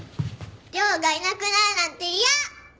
亮がいなくなるなんて嫌！